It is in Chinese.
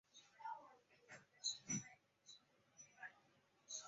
信箱邮编不在此表列出。